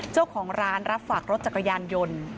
เจ้าของร้านรับฝากรถจักรยานยนต์